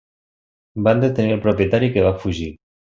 Van detenir el propietari, que va fugir.